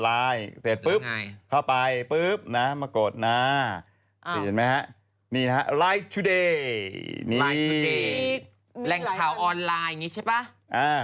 แรงข่าวออนไลน์ใช่ปะ